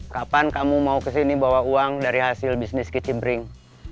kapan kamu mau kesini bawa uang dari hasil bisnis kicibring